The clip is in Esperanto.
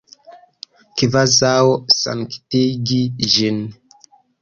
Kvazaŭ sanktigi ĝin.